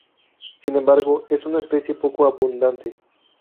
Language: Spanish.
Sin embargo, es una especie poco abundante.